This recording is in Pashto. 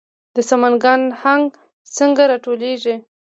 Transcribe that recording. د سمنګان هنګ څنګه راټولیږي؟